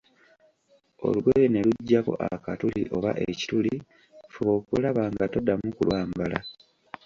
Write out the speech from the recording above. Olugoye ne lujjako akatuli oba ekituli, fuba okulaba nga toddamu kulwambala.